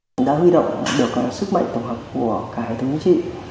các cơ sở trong công tác đấu tranh phòng chống tội phạm tệ nạn ma túy